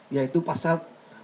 yaitu pasal tiga puluh